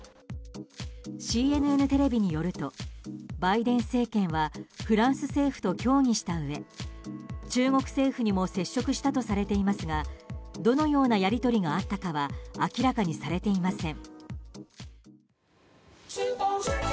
ＣＮＮテレビによるとバイデン政権はフランス政府と協議したうえ中国政府にも接触したとされていますがどのようなやり取りがあったかは明らかにされていません。